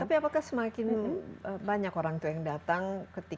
tapi apakah semakin banyak orang tuh yang melakukan terapi ini